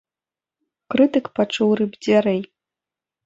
Крытык пачуў рып дзвярэй.